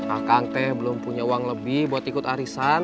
akang teh belum punya uang lebih buat ikut arisan